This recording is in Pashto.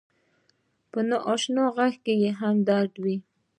په ناآشنا غږ کې هم درد وي